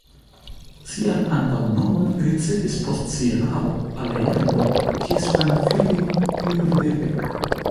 Sian antaŭnomon ricevis post sia avo, Alejandro, hispan-filipindevena.